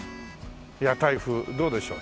屋台風どうでしょう？